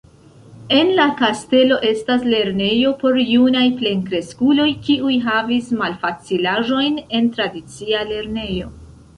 En la kastelo estas lernejo por junaj plenkreskuloj, kiuj havis malfacilaĵojn en tradicia lernejo.